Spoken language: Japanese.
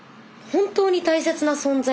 本当に大切な存在。